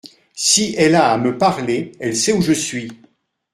Si elle a à me parler, elle sait où je suis.